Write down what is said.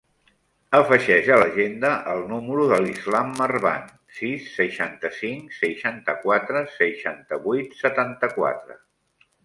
Afegeix a l'agenda el número de l'Islam Marban: sis, seixanta-cinc, seixanta-quatre, seixanta-vuit, setanta-quatre.